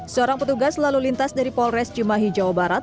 seorang petugas lalu lintas dari polres cimahi jawa barat